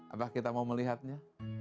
apakah kita mau melihatnya